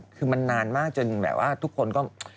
คือมันนานมากจนแบบว่าทุกคนก็